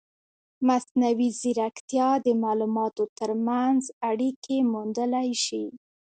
مصنوعي ځیرکتیا د معلوماتو ترمنځ اړیکې موندلی شي.